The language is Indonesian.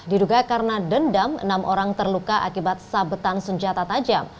diduga karena dendam enam orang terluka akibat sabetan senjata tajam